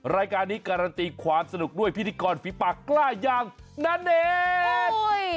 รายการนี้การันตีความสนุกด้วยพิธีกรฟิฟักร์กล้ายางนั้นเนี่ย